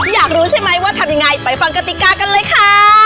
อยากรู้ใช่ไหมว่าทำยังไงไปฟังกติกากันเลยค่ะ